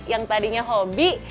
yang tadinya hobi